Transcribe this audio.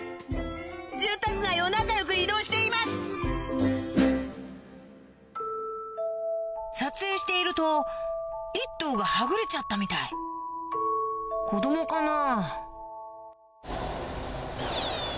住宅街を仲よく移動しています撮影していると１頭がはぐれちゃったみたい子供かな？